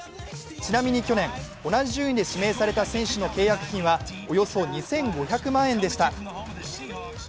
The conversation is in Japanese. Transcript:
ちなみに去年、同じ順位で指名された選手の契約金はおよそ２５００万円でした。